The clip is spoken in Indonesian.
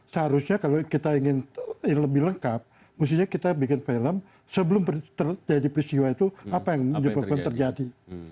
seharusnya kalau kita ingin lebih lengkap mestinya kita bikin film sebelum terjadi peristiwa itu apa yang menyebabkan terjadi